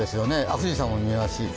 富士山も見えやすい。